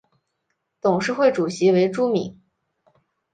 董事会主席为朱敏。